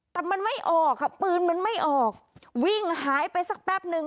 แต่มันไม่ออกค่ะปืนมันไม่ออกวิ่งหายไปสักแป๊บนึง